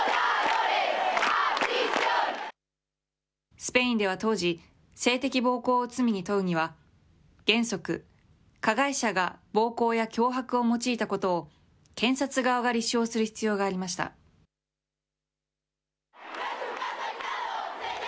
スペインでは当時、性的暴行を罪に問うには、原則、加害者が暴行や脅迫を用いたことを検察側が立証する必要がありました。